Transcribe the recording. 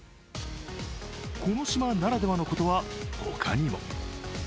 この島ならではのことは、他にも。